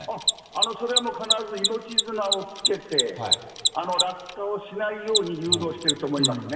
それはもう必ず命綱をつけて、落下をしないように誘導してると思いますね。